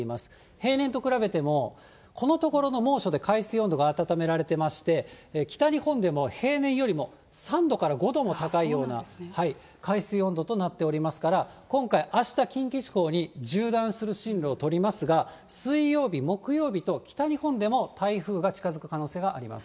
平年と比べても、このところの猛暑で海水温度が温められてまして、北日本でも平年よりも３度から５度も高いような海水温度となっておりますから、今回、あした、近畿地方に縦断する進路を取りますが、水曜日、木曜日と北日本でも台風が近づく可能性があります。